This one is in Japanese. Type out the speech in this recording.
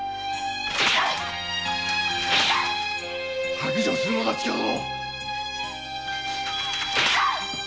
白状するのだ千加殿！